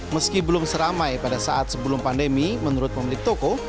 meski belum seramai pada saat sebelum pandemi menurut pemilik toko